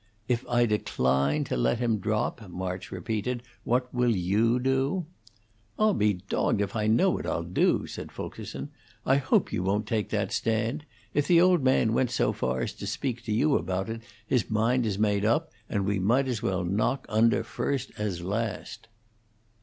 "If I decline to let him drop," March repeated, "what will you do?" "I'll be dogged if I know what I'll do," said Fulkerson. "I hope you won't take that stand. If the old man went so far as to speak to you about it, his mind is made up, and we might as well knock under first as last."